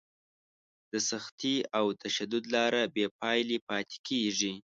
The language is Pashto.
د سختي او تشدد لاره بې پایلې پاتې کېږي.